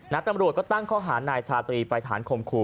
ตำรวจก็ตั้งข้อหานายชาตรีไปฐานข่มขู่